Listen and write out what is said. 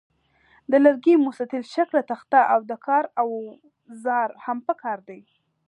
د لرګي مستطیل شکله تخته او د کار اوزار هم پکار دي.